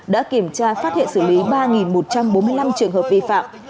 đã kiểm tra phát hiện xử lý ba một trăm bốn mươi năm trường hợp vi phạm